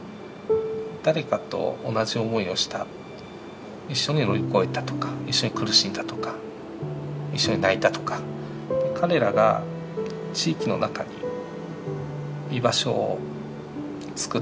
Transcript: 誰かと同じ思いをした一緒に乗り越えたとか一緒に苦しんだとか一緒に泣いたとか彼らが地域の中に居場所をつくっていく。